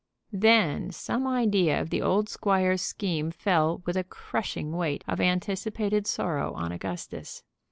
Then some idea of the old squire's scheme fell with a crushing weight of anticipated sorrow on Augustus.